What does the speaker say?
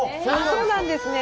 そうなんですね。